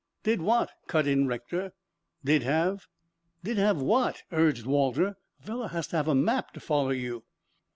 "Did what?" cut in Rector. "Did have." "Did have what?" urged Walter. "A fellow has to have a map to follow you."